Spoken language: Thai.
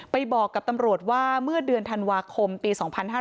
บอกกับตำรวจว่าเมื่อเดือนธันวาคมปี๒๕๕๙